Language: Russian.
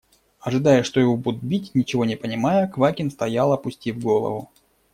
Ожидая, что его будут бить, ничего не понимая, Квакин стоял, опустив голову.